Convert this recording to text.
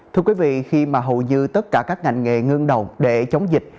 thưa quý vị khi mà hầu như tất cả các ngành nghề ngưng đầu để chống dịch